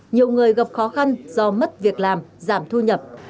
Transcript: nhiều người gặp khó khăn do mất việc làm giảm thu nhập